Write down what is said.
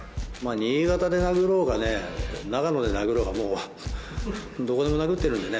新潟で殴ろうが長野で殴ろうがもうどこでも殴ってるんでね